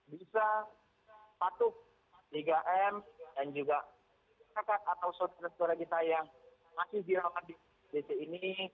bisa patuh tiga m dan juga paket atau saudara saudara kita yang masih di rumah di dc ini